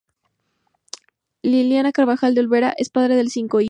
Liliana Carbajal de Olvera, es padre de cinco hijos.